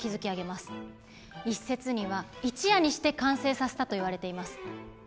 一説には一夜にして完成させたといわれています。